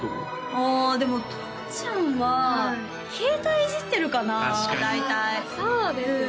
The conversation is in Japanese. ああでもとわちゃんは携帯いじってるかな大体そうですね